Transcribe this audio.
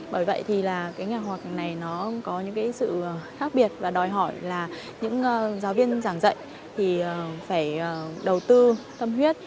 bởi vậy thì là cái nghề học này nó có những cái sự khác biệt và đòi hỏi là những giáo viên giảng dạy thì phải đầu tư tâm huyết